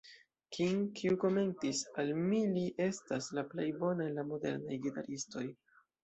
King, kiu komentis, "al mi li estas la plej bona el la modernaj gitaristoj.